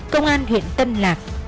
công an huyện tân lạc